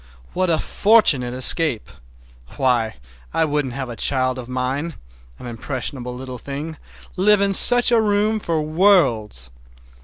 What a fortunate escape! Why, I wouldn't have a child of mine, an impressionable little thing, live in such a room for worlds.